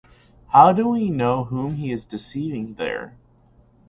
How do we know whom he is deceiving there?